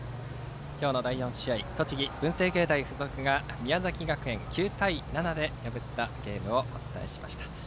今日の第４試合栃木・文星芸大付属が宮崎学園を９対７で破ったゲームをお伝えしました。